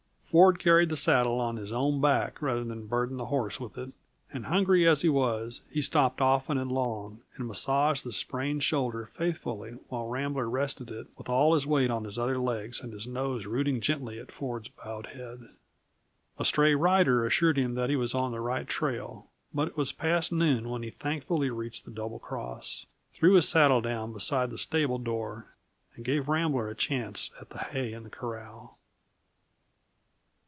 Ford carried the saddle on his own back rather than burden the horse with it, and hungry as he was, he stopped often and long, and massaged the sprained shoulder faithfully while Rambler rested it, with all his weight on his other legs and his nose rooting gently at Ford's bowed head. A stray rider assured him that he was on the right trail, but it was past noon when he thankfully reached the Double Cross, threw his saddle down beside the stable door, and gave Rambler a chance at the hay in the corral.